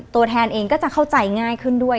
ตัวแทนเองก็จะเข้าใจง่ายขึ้นด้วย